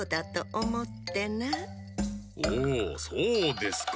おおそうですか。